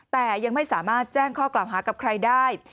แต่ยังไม่สามารถแจ้งข้อกล่าวหากับใครได้